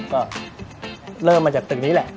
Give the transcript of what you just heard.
ก็เริ่มมาจากตึกนี้แหละ